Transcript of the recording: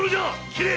斬れ！